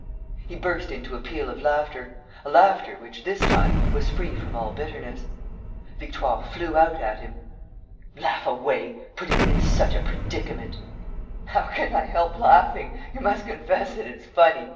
He burst into a peal of laughter, a laughter which, this time, was free from all bitterness. Victoire flew out at him: "Laugh away!... Putting me in such a predicament!..." "How can I help laughing? You must confess that it's funny.